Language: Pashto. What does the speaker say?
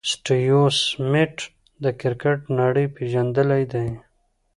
سټیو سميټ د کرکټ نړۍ پېژندلی دئ.